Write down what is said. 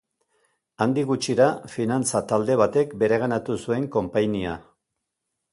Handik gutxira finantza-talde batek bereganatu zuen konpainia.